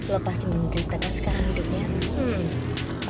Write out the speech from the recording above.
lo pasti menderita kan sekarang hidupnya